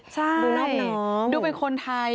ใช่ดูรอบน้องดูเป็นคนไทย